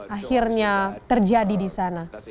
akhirnya terjadi di sana